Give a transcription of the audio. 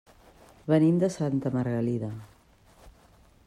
Venim de Santa Margalida.